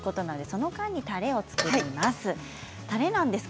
この間に、たれを作ります。